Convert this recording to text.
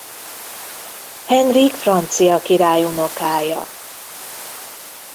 Henrik francia király unokája.